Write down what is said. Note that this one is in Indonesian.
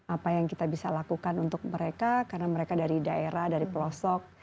apa yang kita bisa lakukan untuk mereka karena mereka dari daerah dari pelosok